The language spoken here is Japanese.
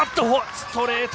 ストレート。